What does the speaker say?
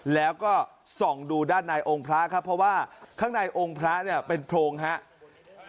แล้วก็ส่องดูด้านในองค์พระครับเพราะว่าข้างในองค์พระเนี่ยเป็นโพรงครับ